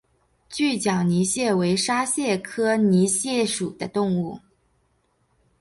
锯脚泥蟹为沙蟹科泥蟹属的动物。